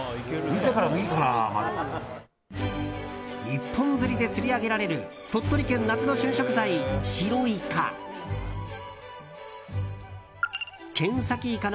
一本釣りで釣り上げられる鳥取県夏の旬食材、白イカ。